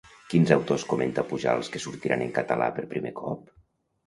Quins autors comenta Pujals que sortiran en català per primer cop?